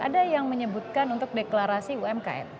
ada yang menyebutkan untuk deklarasi umkm